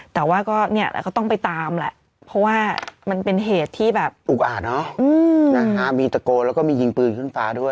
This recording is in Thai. แต่ว่าก็เนี่ยแล้วก็ต้องไปตามแหละเพราะว่ามันเป็นเหตุที่แบบอุกอาดเนอะมีตะโกนแล้วก็มียิงปืนขึ้นฟ้าด้วย